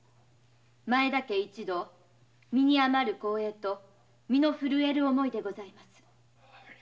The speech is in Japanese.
前田家一同身に余る光栄と身の震える思いでございます。